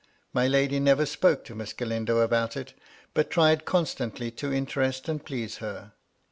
My lady never spoke to Miss Galindo about it, but tried constantly to interest and please her.